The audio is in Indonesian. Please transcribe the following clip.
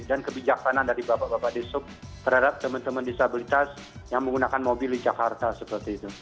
dan kebijaksanaan dari bapak bapak di ishope terhadap teman teman disabilitas yang menggunakan mobil di jakarta seperti itu